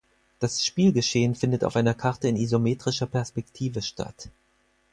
Das Spielgeschehen findet auf einer Karte in isometrischer Perspektive statt.